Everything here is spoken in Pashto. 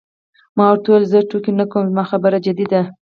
ما ورته وویل: زه ټوکې نه کوم، زما خبره جدي ده.